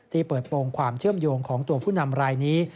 เปิดโปรงความเชื่อมโยงของตัวผู้นำรายนี้